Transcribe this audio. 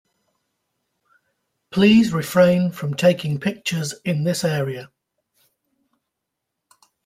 Please refrain from taking pictures in this area.